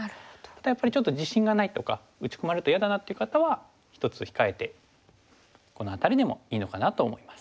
やっぱりちょっと自信がないとか打ち込まれると嫌だなって方は１つ控えてこの辺りでもいいのかなと思います。